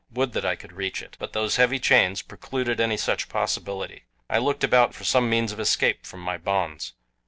Would that I could reach it! But those heavy chains precluded any such possibility. I looked about for some means of escape from my bonds.